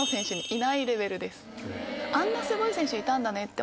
あんなすごい選手いたんだねって